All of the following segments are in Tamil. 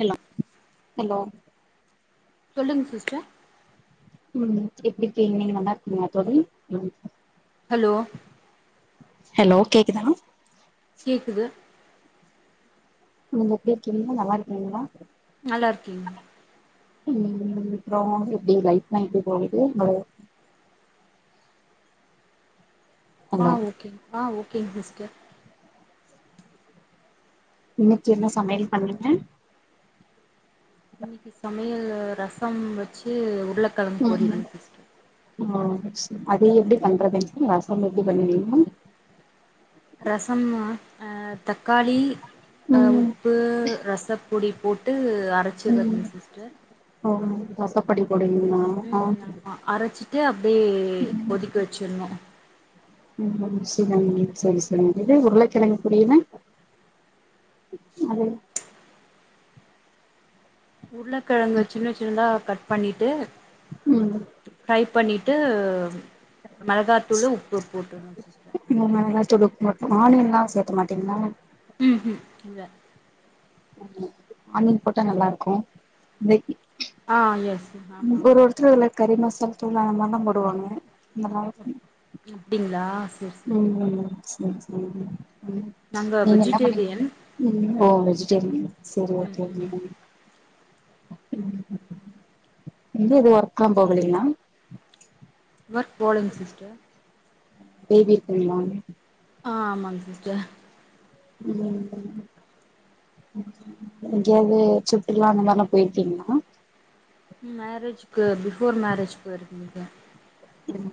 ஹலோ ஹலோ சொல்லுங்க சிஸ்டர் ம் எப்டி இருக்கிங்க நீங்க நல்லா இருக்கீங்கலா தோழி ஹலோ ஹலோ கேக்குதா கேக்குது நீங்க எப்டி இருக்கீங்க நல்லா இருக்கீங்களா நல்லா இருகேங்க ம் அப்றோ எப்டி லைஃப்லா எப்டி போகுது ப்ரோ ஆ ஹலோ ஓகேங்க ஆ ஓகேங்க சிஸ்டர் இன்னைக்கு என்ன சமையல் பண்ணீங்க இன்னைக்கு சமையல் ரசம் வச்சு உருளைக்கிழக்கு ம் போடிமாஸ் சிஸ்டர் ஓ அது எப்டி பண்றதுங்க மேம் ரசம் எப்டி பண்ணுவீங்க மேம் ரசம்மா தக்காளி ஆ ம் உப்பு ரசப் பொடி போட்டு அரை உம் [unintelligible] ரசப்போடி போடுவிங்களா உம் ஆமா அரைச்சிட்டு அப்படியே கொதிக்க வச்சுடுனு சரி சரி சரி இது உருளைக்கிழங்கு பொரியலு அது உருளக்கெழங்க சின்ன சின்னதா கட் பண்ணிட்டு ம் ஃப்ரை பண்ணிட்டு மெளகாத்தூளு உப்பு போட்டுருவ சிஸ்டர் உம் மிளகாதூள் உப்பு மட்டு ஆனியன் எல்லா சேக்கமாட்டிங்களா ம் ம் இல்ல ஆணியன் போட்டா நல்லா இருக்கு ஒரு நெய்யி ஆ எஸ் ஆமா ஒருஒருத் துரு அதுல கறி மசால் தூள் அந்த மாதிரிலா போடுவாங்க நல்லா அப்படிங்களா உம் சரி சரிங்க நாங்க நீங்க என்ன பண்ணி வெஜிடேரியன் ம் ஓ வெஜிடேரியன் சரி ம் ஓக்கே ம் ஓக்கேங்க இங்க எது வர்க் எல்லா போகலைங்களா வர்க் போலிங்க சிஸ்டர் பேபி இருக்குங்கலா ஆ ஆமாங்க சிஸ்டர் உம் இங்கேயாவது சுற்றுலா அந்த மாரிலா போயிருக்கிங்கலா மேரேஜ்க்கு பிஃபோர் மேரேஜ் போயிருக்கேங்க உம்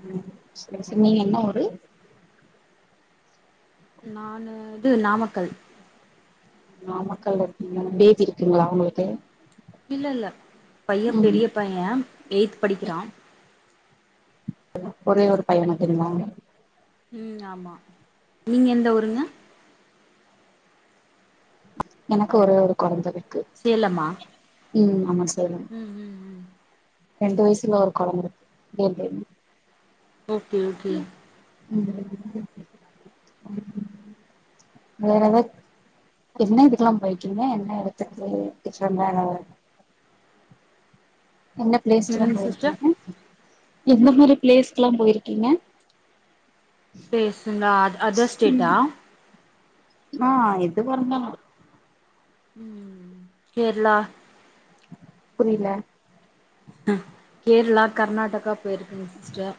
செரி செரி நீங்க என்ன ஊரு நானு வந்து நாமக்கல் நாமக்கல்ல இருங்கிங்க பேபி இருக்குங்களா உங்களுக்கு இல்ல இல்ல பைய ம் பெரிய பைய எயித் படிக்கிறா ஒரே ஒரு பைய மட்டுங்களா ம் ஆமா நீங்க எந்த ஊருங்க எனக்கு ஒரே ஒரு கொழந்த இருக்கு சேலமா ம் ஆமா சேலம் உம் உம் ரெண்டு வயசுல ஒரு கொழந்த இருக்கு கேள் பேபி ஓக்கே ஓக்கே [inaudible] வேரது என்ன இதுக்கெல்லா போயிருக்கீங்க என்ன எடத்துக்கு ஃபியூச்சர்ல எதா என்ன பிளேஸ்கெல்லா என்னங்க சிஸ்டர் போயிருக்கீங்க எந்த மாரி பிளேஸ்க்கெல்லா போயிருக்கீங்க ப்ளேஸுனா அ அதர் ஸ்டேட்டா மா எதுவாருந்தாலு ம் ம் கேரளா புரியல கேரளா கர்நாடகா போயிருக்கேங்க சிஸ்டர்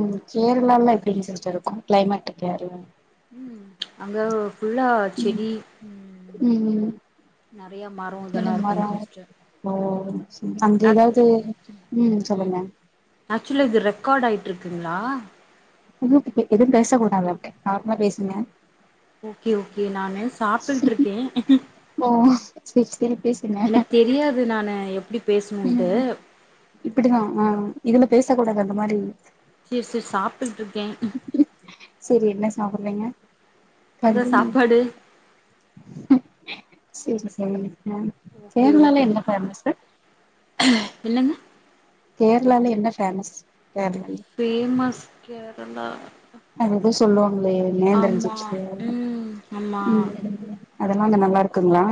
உம் கேரளால எப்படிங்க சிஸ்டர் இருக்கு கிளைமேட் கேரளால ம் அங்க ஃபுல்லா ம் செடி ம் ம் நறையா மரோ இதெல்லா என்னது இருக்கு மரோ சிஸ்டர் ஓ செரி அங்க ஆக் எதாவது ம் சொல்லுங்க ஆக்சுவலி இது ரெக்கார்டு ஆயிட்டுருக்குங்ளா புது [unintelligible] எது பேச கூடாது அப்டே நார்மலா பேசுங்க ஓகே ஓகே நானு சாப்ட்டுட்ருக்கே ஓ சேர் சேரி பேசுங்க எனக்கு தெரியாது நானு எப்டி பேசுணுன்ட்டு ம் இப்டிதா ஆ இதுல பேசக் கூடாது அந்த மாரி செர் செரி சாப்ட்டுகிட்ருக்கே சேரி என்ன சாப்புறீங்க அதா கஞ்சி மீனு சாப்பாடு செரி செரிங்க ஓகே ஓகே என்னங்க கேர்ளால என்ன ஃபேமஸ் கேரளால ஃபேமஸ் கேரளா அது எதோ சொல்வாங்களே ஆமா நேந்தரோஞ்சிப்ஸ் ம் ஆமா அதெல்லா அங்க நல்லாருக்குங்ளா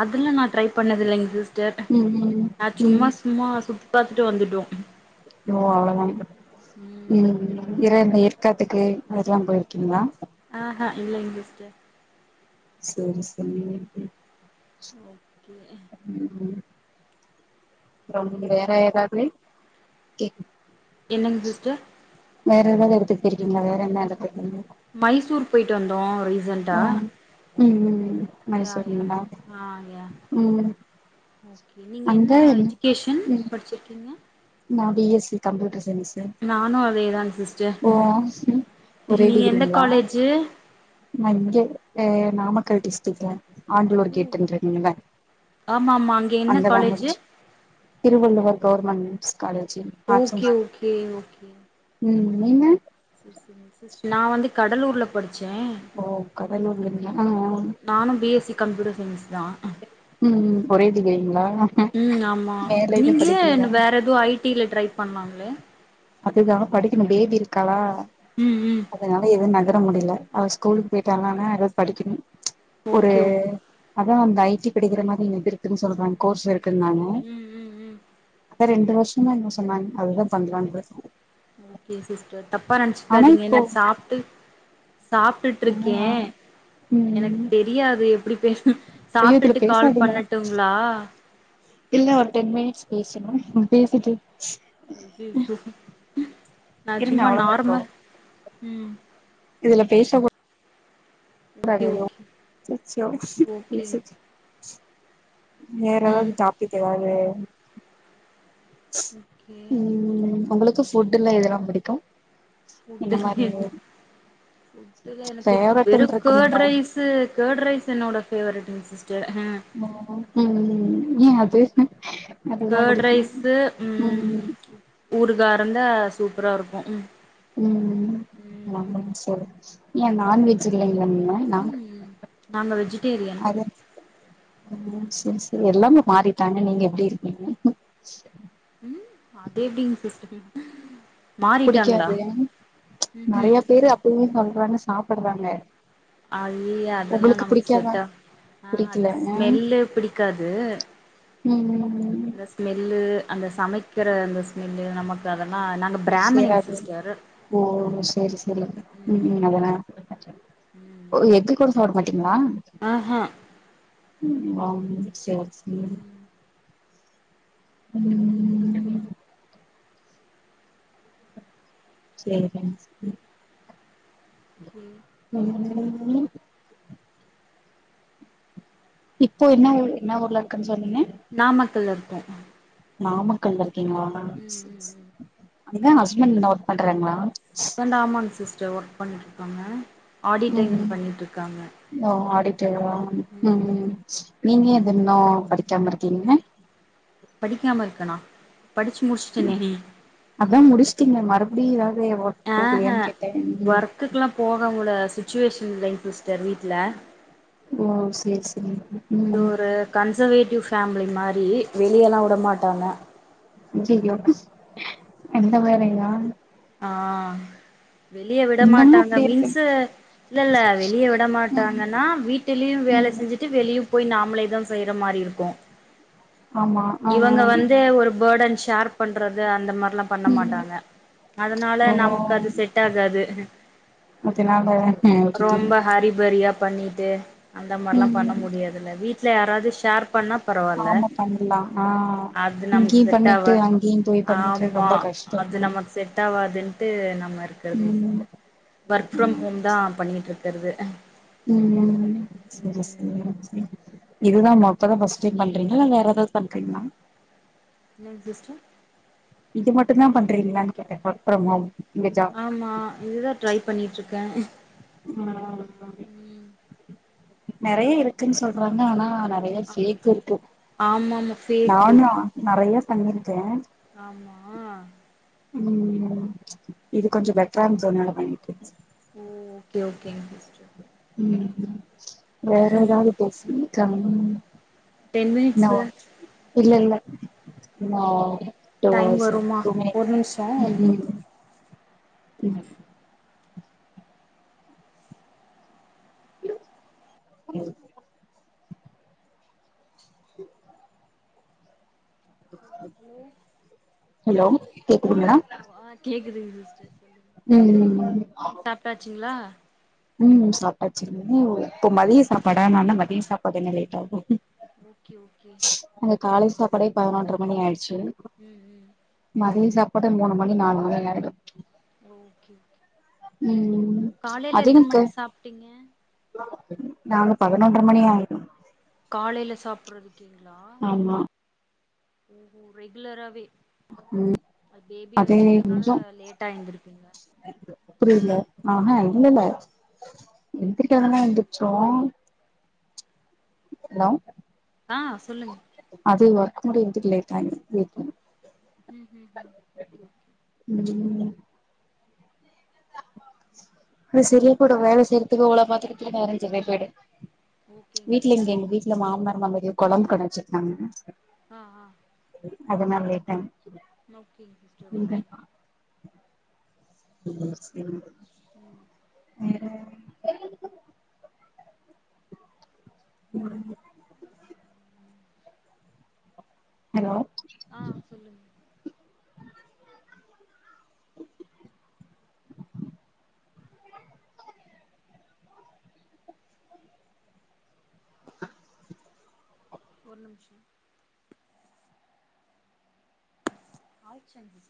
அதுல்லா நா ட்ரை பண்ணதுல்லைங்க சிஸ்டர் ம் ம் நா ம் சும்மா சும்மா சுத்திப்பாத்துட்டு வந்துட்டோ ஓ அவ்ளோதான ம் இற ஏற்காட்டுக்கு அதுக்குல்லா போயிருக்கீங்ளா ஆ ஹா இல்லைங் சிஸ்டர் சேரி சேரிங்க [unintelligible] ஓகே ம் ம் அப்புறோ வேற ஏதாவது கேக்குது என்னங் சிஸ்டர் வேற என்னன்ன எடத்துக்கு போய்ருக்கீங்க வேற என்ன எடத்துக்கு மைசூர் போயிட்டு வந்தோ ரீசன்ட்டா ம் ம் ம் மைசூர்ங்ளா ஆ யா ம் ஓகே நீங்க என்ன அங்க எஜிகேஷன் படிச்சிருக்கீங்க நான் B S C computer science நானு அதேதாங் சிஸ்டர் ஒரே நீங்க எந்த டிகிரிங்களா காலேஜு நா இங்க எ நாமக்கல் டிஸ்டிக்கு ஆண்டியூர் கேட்டன்ருக்குங்ள ஆமா ஆமா என்ன அங்க தா காலேஜு முடிச் திருவள்ளுவர் கவர்மெண்ட்ஸ் மென்ட்ஸ் காலேஜி ஓகே ஓகே ஓகே ம் நீங்க நா வந்து கடலூர்ல படிச்சே ஓ கடலூர்லிங்ளா ஆ ஆ நானு B S C computer science தா ம் ம் ஒரே டிகிரிங்ளா மேல எது படிக்கலையா ஏதோ ஐ டில ட்ரை பண்ணாங்ளே அதுதான படிக்கணு பேபி இருக்காளா ம் ம் அதனால எதுவு நகர முடியல அவ ஸ்கூலுக்கு போயிட்டாலானா எது படிக்கணு ஒரு ஓகே ஓகே அதா அந்த ஐ டி படிக்கிற மாரி எது இருக்குன்னு சொல்றாங்க கோர்ஸ் இருக்குன்னாங்க ம் ம் ம் அ ரெண்டு வருஷமா என்னமோ சொன்னாங்க அதுதா பண்லான்ட்டு ஓகே சிஸ்டர் தப்பா ஆனா நெனைச்சக்காதீங்க இப்போ ஏனா சாப்ட்டு சாப் ட்டுட்டுருக்கே ஆ எனக்கு ம் தெரியாது எப்படி பேசனு ஐயோ இதுல சாப்ட்டுட்டு கால் பேசாதீங்க பண்ணட்டுங்ளா இல்ல ஒரு டென் மினிட்ஸ் பேசணு பேசிட்டு அய்யய்யோ நா இருங்க சும்மா அவ்ளோதா இப்போ நார்ம்லா ம் இதுல பேசக்கூடா கூடாது ஓகே எதுவு ஓகே அச்சச்சோ பேச ஓகேங் வேற எதாது ம் டாப்பிக் எதாது ஓகே ம் ஒங்களுக்கு ஃபுட்டுல எதெல்லா புடிக்கு ஃபுட்டுல எனகு ஃபுட்டுல எனக்கு வெறு ஃபேவரட்ன்னு கேட் இருக்கும்ல ரைஸ் து கேர்ட் ரைஸ் என்னோட ஃபேவரட்டுங் சிஸ்டர் ம் ஏ அது அதுதா கர்ட் புடிக்குமா ரைஸ்ஸு ம் ஊருகா இருந்தா சூப்பராக இருக்கு ம் [unintelligible] செரி ஏ நான்வெஜ் இல்லைங்ளா இங்கெ ந ம் ம் நாங்க வெஜிடேரியன் அத செரி செரி எல்லாமே மாறி ட்டாங்க நீங்க எப்டி இருக்கீங்க ம் அது எப்டிங்க சிஸ்டர் மாறிட்டாங்களா புடிக்காது ம்ஹும் நெறைய பேரு அப்டியே சொல்றாங்க சாப்புட்றாங்க அய்யெய்யெ அதெல்லா நமக்கு செட்டா ஆ அது புடிக்கல அ ஸ்மெல்லு பிடிக்காது ம் ம் இந்த ஸ்மெல்லு அந்த சமைக்கிற அந்த ஸ்மெல்லு நமக்கு அதெல்லா ந [unintelligible] ஓ ஓ ஓ சேரி சேரி ம் ம் அததெ ஓ எக்கு கொட சாப்ட மாட்டீங்ளா அஹ ம் அ சேரி சேரி ம் ம் சேரிங்க [inaudible] [unintelligible] [unintelligible] இப்போ என்ன ஊர் இன்ன ஊர்ல இருக்கன்னு சொன்னீங்க நாமக்கல்ல இருக்கோ நாமக்கல்ல இருக்கீங்களா [unintelligible] ம் ம் ம் அது என்ன ஹஸ்பண்ட் இன்ன ஒர்க் பண்றாங்களா [unintelligible] ஆமாங்க சிஸ்டர் ஒர்க் பண்ணிட்டு இருக்காங்க ம் ம் [unintelligible] ம் நீங்க இது இன்னொ படிக்காம இருக்கீங்க படிக்காம இருக்கனா படுச்சு முடுச்ட்டனே அதா முடுச்ட்டிங்க மறுபடியு ஏதாவ்து ஒர்க் போகலையான்னு கேட்டே ம் ஒர்க்குக்குல்லா போகவுங்ள சுச்சுவேஷன் இல்லைங் சிஸ்டர் வீட்டுல ஓ சேரி சேரிங் இது ம் ஒரு கன்சர்வேட்டிவ் ஃபேமிலி மாரி வெளியெல்லா விட மாட்டாங்க அய்யய்யோ அந்த மாரிங்ளா ஆ வெளிய விட இன்னமு மாட்டாங்க அப்டி இருக்கு மீன்ஸு இல்ல இல்ல வெளிய விட ம் மாட்டாங்கன்னா வீட்டுலயு வேலை ம் செஞ்சு ட்டு வெளிய போய் நாமளேதா செய்ற மாரி இருக்கு ஆமா ஆ ஆ இவங்க வந்து ஒரு பேர்டன் ஷேர் பண்றது அந்த மாரிலா பண்ண ம் மாட்டாங்க அதுனால ஓ நமக்கு அது செட் ஆகாது அதனால விட்டுட்டீங்க ரொம்ப ஹாரிபரியா பண்ணிட்டு அந்த மாரிலா பண்ண ம் முடியாதுல்ல வீட்ல யாராவது ஷேர் பண்ணா பரவாயில்ல ஆமா பண்லா ஆ அது நமக்கு இங்கேயு செட் பண்ணிட்டு ஆவா அங்கேயு போய் பண்ணிட்டு ஆமா ரொம்ப அது கஷ்டந்தா நமக் செட்டாவதுன்ட்டு நம்ம இருக்கறது ம் ஒர்க் ஃபிரம் ஹோம் தா பண்ணிட்டு இருக்கிறது ம் செரி செரி செரி இதுதா மொதல்ல ஃபஸ்ட் டைம் பண்றீங்களா இல்ல வேற எதாவது பண்றீங்களா என்னங் சிஸ்டர் இது மட்டு தா பண்றீங்களான்னு கேட்டே ஒர்க் ஃபிரம் ஹோம் இங்க ஜாப் ஆமா இதுதா ட்ரை பண்ணிட்டு இருக்கே நெறைய இருக்குன்னு சொல்றாங்க ஆனா நெறய ஃபேக் இருக்கு ஆமா ஆமா நானு நெறைய பண்ணியிருக்கே ஆமா ம் இது கொஞ்சோ பெட்டரா இருந்தனால பண்ணிட்டு இருக்க சிஸ்டர் ஓ ஓகே ஓகேங்க சிஸ்டர் ம் வேற ஏதாவது பேசி கம் டென் இன்னு மினிட்ஸு இல்ல இல்ல இன்னு டூ டைம் ஹவர்ஸ் வருமா டூ மினிட் ஒரு நிமிஷோ ஒரு நிமிஷோ ங்க ஹலோ ஹலோ ஹலோ ஆ கேக்குதுங்களா ஓக் ஆ கேக்குதுங்க சிஸ்டர் ம் ம் நீங்க சாப்ட்டாச்சுங்களா ம் சாப்டாச்சுங்க இப்ப மதிய சாப்பாடா நா இன்னு மதிய சாப்பாடு இன்னு லேட் ஆகு ஓகே ஓகே இங்க காலைல சாப்பாடே பதினொன்ற மணி ஆயிடுச்சு ம் ம் மதிய சாப்பாடு மூணு மணி நாலு மணி ஆயிடு ஓகே ம் காலையில எத்தன [unintelligible] மணிக்கு சாப்ட்டீங்க நாங்க பதினொன்ற மணி ஆ காலையில சாப்பிட்றதுக்கேங்களா ஆமா ரெகுலராவே ம் ஆ பேபிய அதே வெச்சிருக்கனால கொஞ்சோ லேட்டா எந்திருப்பீங்க புரியல ஆஹா இல்லல்ல எந்திரிக்கிறதுலா எந்திருச்சுருவோ ஹலோ ஆ சொல்லுங் அது ஒர்க் முடியறதுக்கு லேட்டாயிரு வீட்ல ம் ம் ம் ஓகே ஓகே ம் இந்த சிரிய கூட வேல செய்யறுதுக்கே இவ பாக்கறக்கே நேரோ செரியா போயிடு ஓகேங்க வீட்ல இங்க சிஸ்டர் எங்க வீட்ல மாமனார் மாமியாரு கொழம்பு கட வச்சிருகாங்க ஆ ஆ அதுனா லேட்டனு ஓகேங்க சிஸ்டர் ஓகே சிபச் ம் வேற ம் ஹலோ [unintelligible] ஒரு நிமிசோ ஆய சந்திவ்